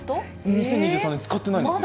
２０２３年使ってないんです。